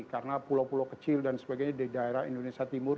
karena pulau pulau kecil dan sebagainya di daerah indonesia timur